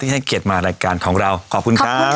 ที่ให้เกลียดมารายการของเราขอบคุณครับขอบคุณค่ะขอบคุณมาก